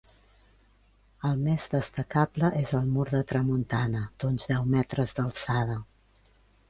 El més destacable és el mur de tramuntana, d'uns deu metres d'alçada.